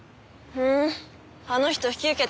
うん。